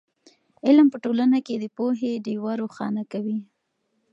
علم په ټولنه کې د پوهې ډېوه روښانه کوي.